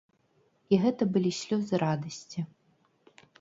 І гэта былі слёзы радасці.